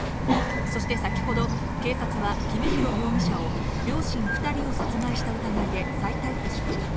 そして先ほど、警察は公宏容疑者を、両親２人を殺害した疑いで再逮捕しました。